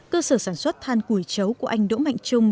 cơ sở sản xuất than củi chấu của anh đỗ mạnh trung